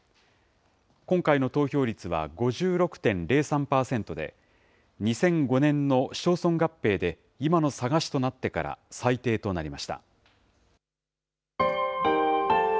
今回の投票率は５６．０３％で、２００５年の市町村合併で今の佐賀市となってから最低となりました。